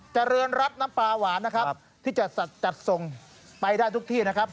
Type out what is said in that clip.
เจริญรับน้ำปลาหวานนะครับที่จะจัดส่งไปได้ทุกที่นะครับ